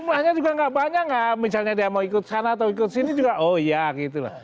jumlahnya juga nggak banyak lah misalnya dia mau ikut sana atau ikut sini juga oh iya gitu lah